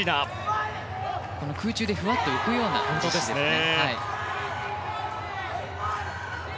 空中でふわっと浮くような姿勢ですね。